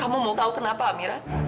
kamu mau tahu kenapa mira